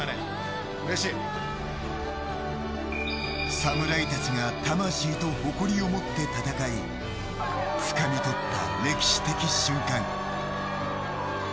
侍たちが魂と誇りを持って戦いつかみとった歴史的瞬間。